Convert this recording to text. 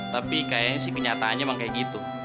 tapi kayanya sih kenyataannya emang kaya gitu